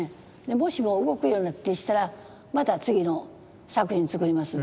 もしも動くような気ぃしたらまた次の作品作ります。